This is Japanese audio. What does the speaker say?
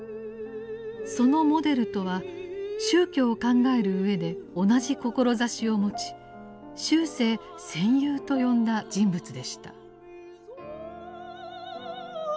そのモデルとは宗教を考えるうえで同じ志を持ち終生「戦友」と呼んだ人物でした。